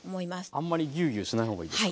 あんまりギュウギュウしない方がいいですか？